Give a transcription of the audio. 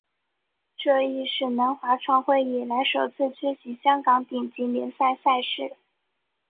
这亦是南华创会以来首次缺席香港顶级联赛赛事。